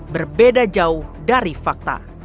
berbeda jauh dari fakta